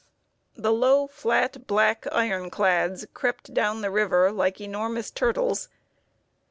The low, flat, black iron clads crept down the river like enormous turtles.